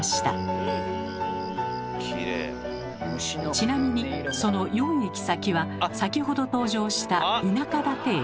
ちなみにその４駅先は先ほど登場した田舎館駅。